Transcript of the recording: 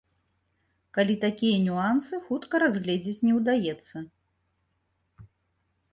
Калі такія нюансы хутка разгледзець не ўдаецца.